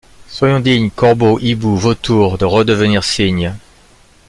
Soyons dignes, Corbeaux, hiboux, vautours, de redevenir cygnes!